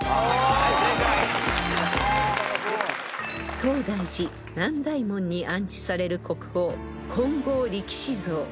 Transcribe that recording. ［東大寺南大門に安置される国宝金剛力士像］